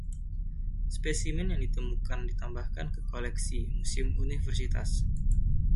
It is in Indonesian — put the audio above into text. Spesimen yang ditemukan ditambahkan ke koleksi museum Universitas.